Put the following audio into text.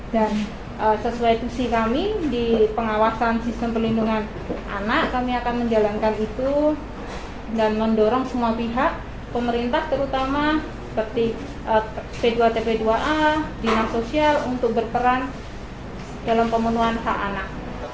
dan sesuai tusi kami di pengawasan sistem perlindungan anak kami akan menjalankan itu dan mendorong semua pihak pemerintah terutama seperti p dua tp dua a dinas sosial untuk berperan dalam pemenuhan hak anak